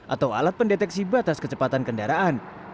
atau alat pendeteksi batas kecepatan kendaraan